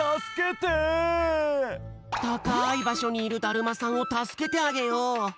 たかいばしょにいるだるまさんをたすけてあげよう！